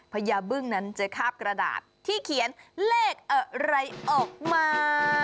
พญาบึ้งนั้นจะคาบกระดาษที่เขียนเลขอะไรออกมา